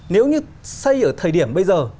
nếu như xây ở thời điểm bây giờ